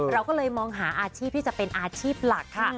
เราก็เลยมองหาอาชีพที่จะเป็นอาชีพหลักค่ะ